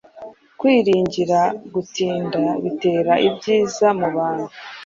kwiringira gutinda Bitera ibyiza mubantu